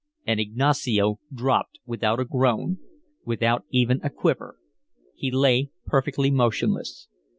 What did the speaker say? And Ignacio dropped without a groan, without even a quiver. He lay perfectly motionless.